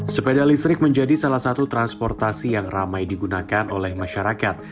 sepeda listrik menjadi salah satu transportasi yang ramai digunakan oleh masyarakat